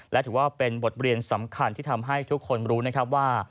และถือว่าเป็นบทเรียนสำคัญที่ทำให้ทุกคนรู้นะครับว่า